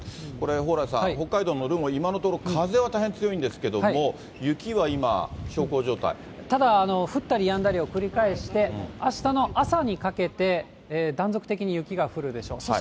これ、蓬莱さん、北海道の留萌、今のところ風は大変強いんですけども、雪は今、ただ、降ったりやんだりを繰り返して、あしたの朝にかけて、断続的に雪が降るでしょう。